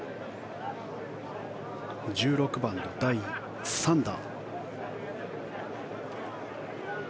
１６番の第３打。